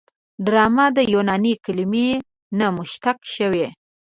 ډرامه د یوناني کلمې نه مشتق شوې.